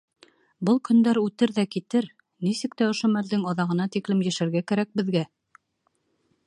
— Был көндәр үтер ҙә китер, нисек тә ошо мәлдең аҙағына тиклем йәшәргә кәрәк беҙгә.